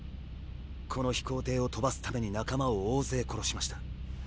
この飛行艇を飛ばすために仲間を大勢殺しました。